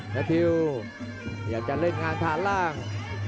ทิวอยากจะเล่นงานฐานล่าง